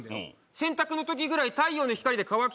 洗濯のときぐらい太陽の光で乾きたい